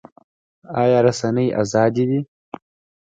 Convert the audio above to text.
آیا رسنۍ ازادې دي؟